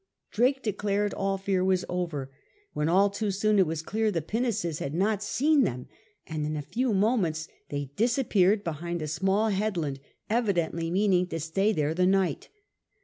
Drake declared all fear was over; when all too soon it was clear the pinnaces had not seen them, and in a few moments they dis appeared behind a small headland, evidently meaning to stay there the night.